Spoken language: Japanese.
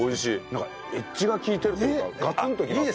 なんかエッジが利いてるというかガツンときますね。